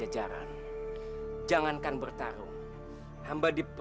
iya pahamin berman